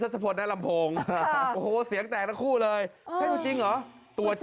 ลืมเผินนะแปลงของไทยมาเพลงชัวร์ไทย